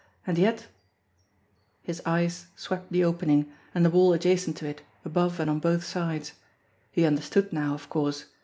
And yet His eyes swept the opening, and the wall adjacent to it, above and on both sides. He understood now, of course.